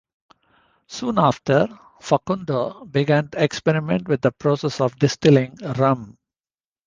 Soon after, Facundo began to experiment with the process of distilling rum.